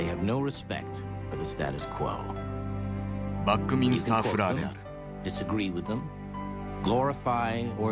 バックミンスター・フラーである。